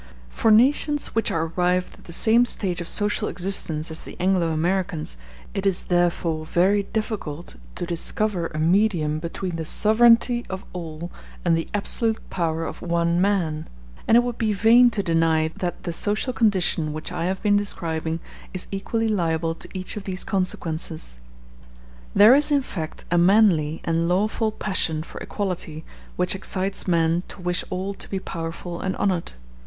For nations which are arrived at the same stage of social existence as the Anglo Americans, it is therefore very difficult to discover a medium between the sovereignty of all and the absolute power of one man: and it would be vain to deny that the social condition which I have been describing is equally liable to each of these consequences. There is, in fact, a manly and lawful passion for equality which excites men to wish all to be powerful and honored.